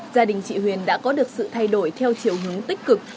gia đình chị huyền đã có được sự thay đổi theo chiều hướng tích cực